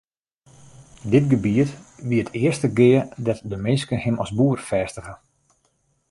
Dit gebiet wie it earste gea dêr't de minske him as boer fêstige.